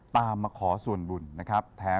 มาขอส่วนบุญนะครับ